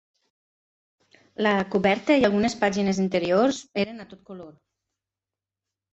La coberta i algunes pàgines interiors eren a tot color.